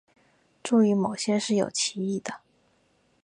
注意某些是有歧义的。